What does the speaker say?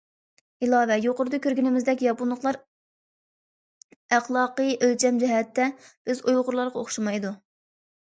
ئىلاۋە: يۇقىرىدا كۆرگىنىمىزدەك ياپونلۇقلار ئەخلاقىي ئۆلچەم جەھەتتە بىز ئۇيغۇرلارغا ئوخشىمايدۇ.